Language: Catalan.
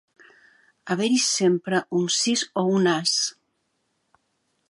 Haver-hi sempre un sis o un as.